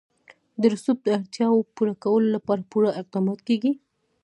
د رسوب د اړتیاوو پوره کولو لپاره پوره اقدامات کېږي.